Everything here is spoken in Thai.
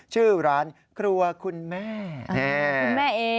ชื่อร้านครัวคุณแม่